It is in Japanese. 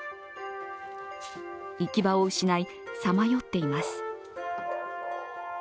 行き場を失い、さまよっています。